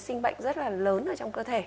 cơ chế sinh bệnh rất là lớn ở trong cơ thể